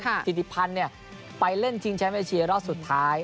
ถิติพันธ์ไปเล่นชิงแชมป์เอเชียรอบสุดท้าย